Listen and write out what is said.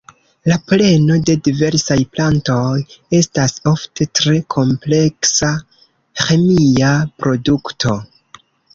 La poleno de diversaj plantoj estas ofte tre kompleksa "ĥemia produkto".